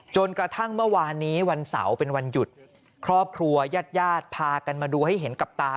จนกระทั่งเมื่อวานนี้วันเสาร์เป็นวันหยุดครอบครัวยาดพากันมาดูให้เห็นกับตา